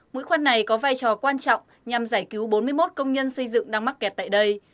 mũi khoan này có vai trò quan trọng nhằm giải cứu bốn mươi một công nhân xây dựng đang mắc kẹt tại đây